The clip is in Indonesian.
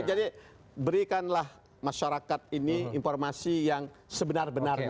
jadi berikanlah masyarakat ini informasi yang sebenar benarnya